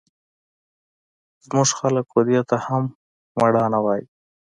زموږ خلق خو دې ته هم مېړانه وايي.